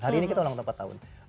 hari ini kita ulang tahun empat tahun